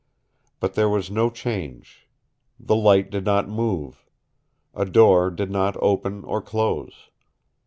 But there was no change. The light did not move. A door did not open or close.